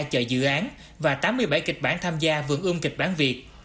chờ dự án và tám mươi bảy kịch bản tham gia vượn ương kịch bản việt